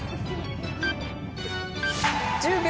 １０秒。